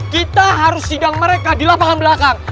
kita harus sidang mereka di lapangan belakang